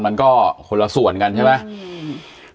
มันก็คนละส่วนกันใช่ไหม